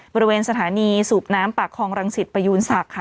บริเวณสถานีสูบน้ำปากคลองรังสิตประยูนศักดิ์ค่ะ